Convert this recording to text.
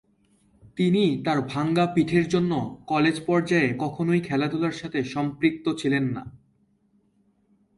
তিনি তার ভাঙ্গা পিঠের জন্য কলেজ পর্যায়ে কখনোই খেলাধুলার সাথে সম্পৃক্ত ছিলেন না।